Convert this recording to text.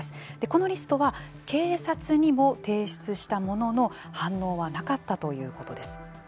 このリストは警察にも提出したものの反応はなかったということです。